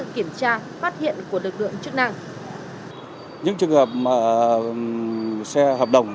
khi được hỏi đây là xe hợp đồng